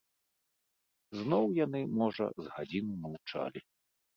Зноў яны, можа, з гадзіну маўчалі.